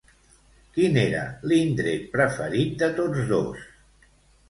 Quin era l'indret preferit de tots dos?